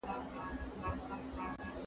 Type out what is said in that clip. هیلې د نوي درملو سره لوړې شوې دي.